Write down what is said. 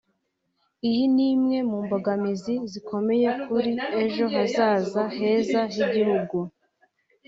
Iyi ni imwe mu mbogamizi zikomeye kuri ejo hazaza heza h’igihugu